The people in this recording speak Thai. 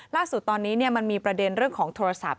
ล่าสุดตอนนี้มันมีประเด็นเรื่องของโทรศัพท์